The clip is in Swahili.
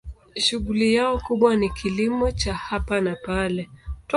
Shughuli yao kubwa ni kilimo cha hapa na pale.